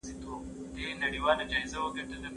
زه بايد ږغ واورم!.